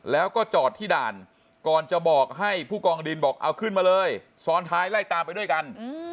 แล้วก็จอดที่ด่านก่อนจะบอกให้ผู้กองดินบอกเอาขึ้นมาเลยซ้อนท้ายไล่ตามไปด้วยกัน